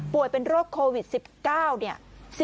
เป็นโรคโควิด๑๙เนี่ย